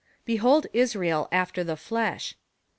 Behold Israel after the flesh.